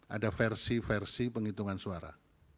ada versi versi penghitungan suara